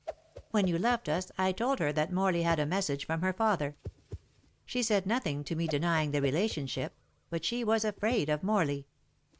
"When you left us I told her that Morley had a message from her father. She said nothing to me denying the relationship, but she was afraid of Morley.